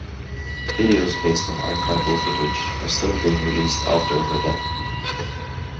Videos based on archival footage are still being released after her death.